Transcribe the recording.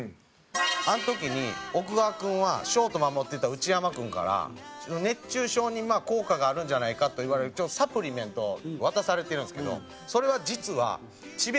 あの時に奥川君はショート守ってた内山君から熱中症に効果があるんじゃないかといわれるサプリメントを渡されてるんですけどそれは実は智弁